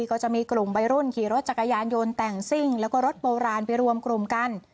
ก็จะมีกลุ่มวัยรุ่นขี่รถจักรยานยนต์แต่งซิ่งแล้วก็รถโบราณไปรวมกลุ่มกัน